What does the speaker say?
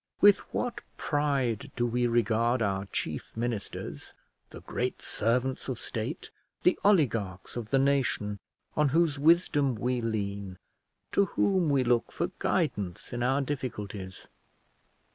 With what pride do we regard our chief ministers, the great servants of state, the oligarchs of the nation on whose wisdom we lean, to whom we look for guidance in our difficulties!